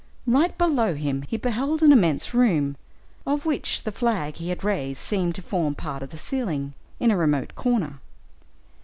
Right below him he beheld an immense room, of which the flag he had raised seemed to form part of the ceiling, in a remote corner.